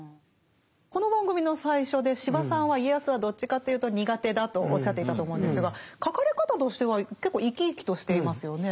この番組の最初で司馬さんは家康はどっちかというと苦手だとおっしゃっていたと思うんですが書かれ方としては結構生き生きとしていますよね。